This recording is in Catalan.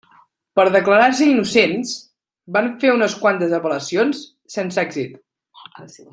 Per declarar-se innocents, van fer unes quantes apel·lacions, sense èxit.